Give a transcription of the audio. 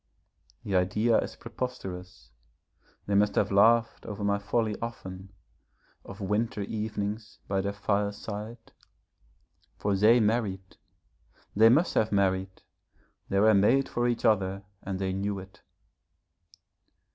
The idea is preposterous, they must have laughed over my folly often, of winter evenings by their fireside. For they married, they must have married, they were made for each other and they knew it.